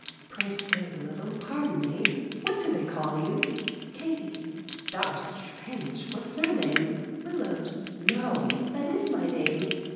'Pray stay a little: pardon me; What do they call you?' 'Katie.' 'That were strange. What surname? 'Willows.' 'No!' 'That is my name.'